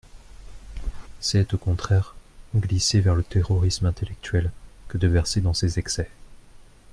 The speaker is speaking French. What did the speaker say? C’est, au contraire, glisser vers le terrorisme intellectuel que de verser dans ces excès.